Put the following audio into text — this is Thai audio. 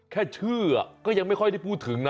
แค่ชื่อก็ยังไม่ค่อยได้พูดถึงนะ